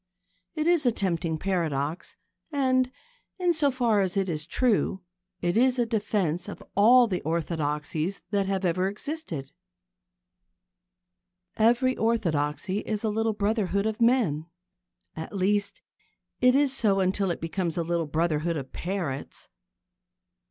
It is a tempting paradox, and, in so far as it is true, it is a defence of all the orthodoxies that have ever existed. Every orthodoxy is a little brotherhood of men. At least, it is so until it becomes a little brotherhood of parrots.